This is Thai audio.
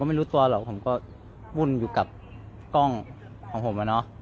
ก็ไม่รู้ตัวหรอกผมก็บุญอยู่กับกล้องของผม